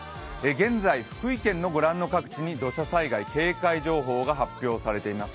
現在、福井県のご覧の各地に土砂災害警戒情報が出されています。